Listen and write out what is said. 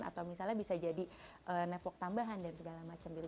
atau misalnya bisa jadi network tambahan dan segala macam gitu